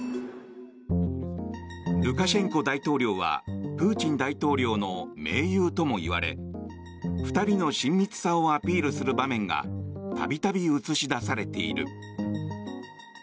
ルカシェンコ大統領はプーチン大統領の盟友とも言われ２人の親密さをアピールする場面が度々映し出されている。